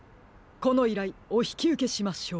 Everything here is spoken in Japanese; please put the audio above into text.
このいらいおひきうけしましょう。